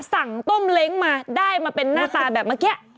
สั่งต้มเล้งมาได้มาเป็นหน้าตาแบบเมื่อกี้